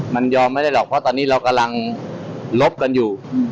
มันยอมไม่ได้หรอกเพราะตอนนี้เรากำลังลบกันอยู่